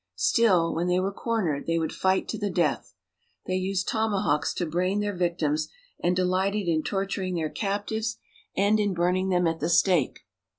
Still, when they were cornered they would fight to the death. They used tomahawks to brain their victims, and delighted in torturing their captives and in inaian uniei. 294 AMONG THE INDIANS. burning them at the stake.